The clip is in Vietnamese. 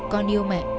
con yêu mẹ